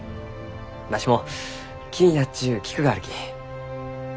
わしも気になっちゅう菊があるき。